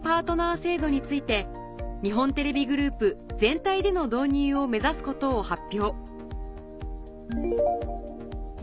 またについて日本テレビグループ全体での導入を目指すことを発表